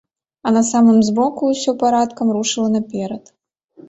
А на самым змроку ўсё парадкам рушыла наперад.